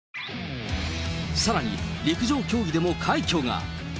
さらに陸上競技でも快挙が。